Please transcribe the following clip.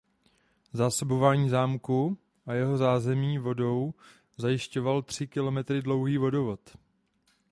Zásobování zámku a jeho zázemí vodou zajišťoval tři kilometry dlouhý vodovod.